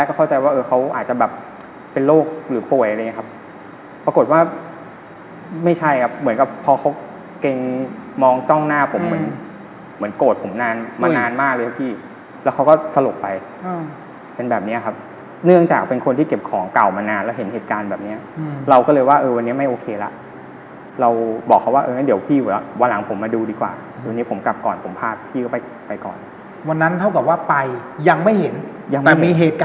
ล้มล้มล้มล้มล้มล้มล้มล้มล้มล้มล้มล้มล้มล้มล้มล้มล้มล้มล้มล้มล้มล้มล้มล้มล้มล้มล้มล้มล้มล้มล้มล้มล้มล้มล้มล้มล้มล้มล้มล้มล้มล้มล้มล้มล้มล้มล้มล้มล้มล้มล้มล้มล้มล้มล้มล